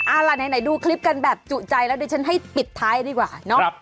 เอาล่ะไหนดูคลิปกันแบบจุใจแล้วดิฉันให้ปิดท้ายดีกว่าเนาะ